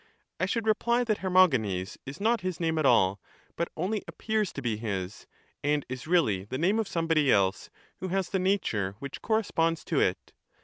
I should reply that Hermogenes is not his name at all, but only appears to be his, and is really the name of somebody else, who has the nature which corresponds to it.